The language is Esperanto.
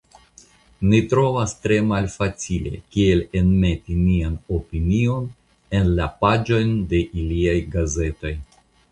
Ni trovas tre malfacile kiel enmeti nian opinion en la paĝojn de iliaj gazetoj"".